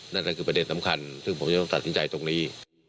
นั่นก็คือประเด็นสำคัญซึ่งผมจะต้องตัดสินใจตรงนี้